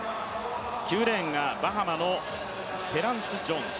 ９レーンがバハマのテランス・ジョーンズ。